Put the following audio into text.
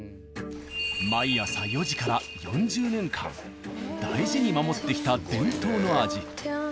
毎朝４時から４０年間大事に守ってきた伝統の味。